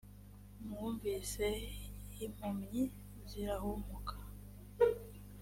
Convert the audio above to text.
mwumvise impumyi zirahumuka,